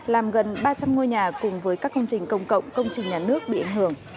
làm gần ba trăm linh ngôi nhà cùng với các công trình công cộng công trình nhà nước bị ảnh hưởng